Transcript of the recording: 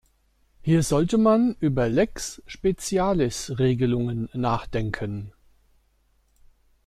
Hier sollte man über lex specialis-Regelungen nachdenken.